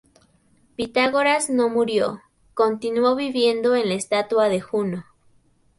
Pitágoras no murió: continuó viviendo en la estatua de Juno.